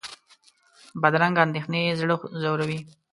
بدرنګه اندېښنې زړه ځوروي